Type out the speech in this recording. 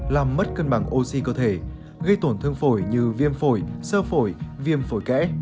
làm mất cân bằng oxy cơ thể gây tổn thương phổi như viêm phổi sơ phổi viêm phổi kẽ